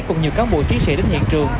cùng nhiều cán bộ chiến sĩ đến hiện trường